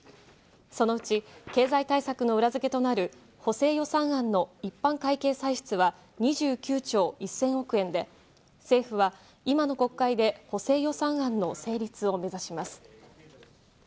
そのうち経済対策の裏付けとなる補正予算案の一般会計歳出は２９兆１０００億円で、政府は今の国会で補正予算案の成立を目指します。